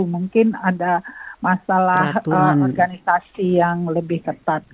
mungkin ada masalah organisasi yang lebih ketat